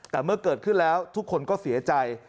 แต่เมื่อเกิดขึ้นแล้วทุกคนก็เสียใจ